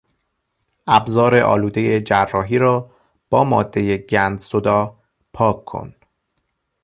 ابزار آلودهی جراحی را با مادهی گندزدا پاک کن.